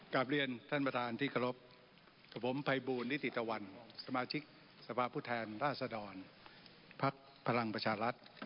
กราบเรียนท่านประธานที่ครบผมไพบูลนิติตวรรณสมาชิกสภาพผู้แทนราศดรพรรคพลังประชาลัทฯ